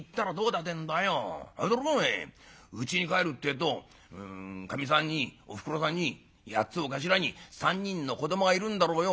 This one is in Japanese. あれだろお前うちに帰るってえとかみさんにおふくろさんに８つを頭に３人の子どもがいるんだろうよ。